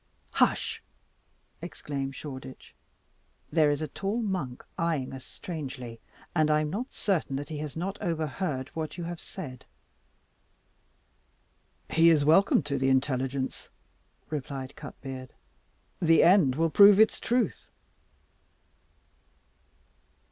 "Hush!" exclaimed Shoreditch. "There is a tall monk eyeing us strangely; and I am not certain that he has not overheard what you have said." "He is welcome to the intelligence," replied Cutbeard; "the end will prove its truth."